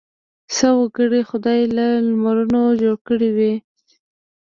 څه وګړي خدای له لمرونو جوړ کړي وي.